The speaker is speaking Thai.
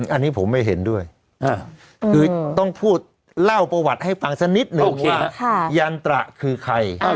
อันนี้ผมไม่เห็นด้วยคือต้องพูดเล่าประวัติให้ฟังสักนิดหนึ่งโอเคยันตระคือใคร